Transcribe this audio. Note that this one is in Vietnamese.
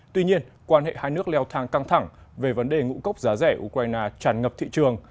tuy nhiên quan hệ hai nước leo thang căng thẳng về vấn đề ngũ cốc giá rẻ ukraine tràn ngập thị trường